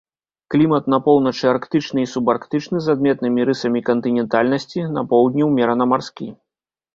Клімат на поўначы арктычны і субарктычны з адметнымі рысамі кантынентальнасці, на поўдні ўмерана марскі.